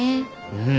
うん。